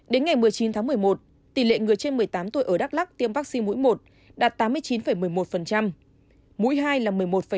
đến ngày một mươi chín tháng một mươi một tỷ lệ người trên một mươi tám tuổi ở đắk lắc tiêm vaccine mũi một đạt tám mươi chín một mươi một mũi hai là một mươi một năm